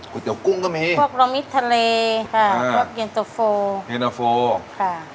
ก๋วยเตี๋ยวกุ้งก็มีพวกลมอิสทะเลค่ะพวกเย็นโตโฟร์เย็นโตโฟร์ค่ะ